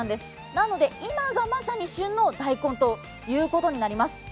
なので今がまさに旬の大根ということになります。